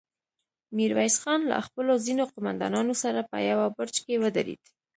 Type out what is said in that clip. ميرويس خان له خپلو ځينو قوماندانانو سره په يوه برج کې ودرېد.